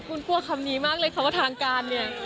คุณกลัวคำนี้มากเลยค่ะว่าทางการเนี่ย